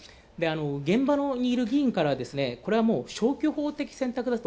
現場にいる議員から、これは消去法的選択だと。